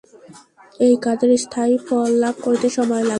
এই কাজের স্থায়ী ফললাভ করিতে সময় লাগিবে।